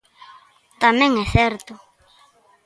Tamén é certo.